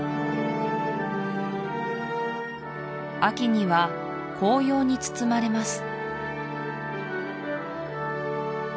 秋には紅葉に包まれます